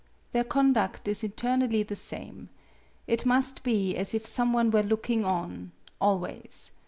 Their conduct is eternally the same. It must be as if some one were looking on always.